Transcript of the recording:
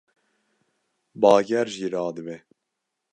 Bager jî radibe